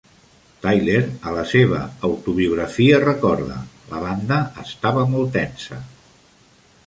Tyler, a la seva autobiografia, recorda: "La banda estava molt tensa.